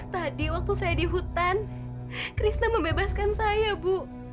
tadi waktu saya di hutan krisna membebaskan saya bu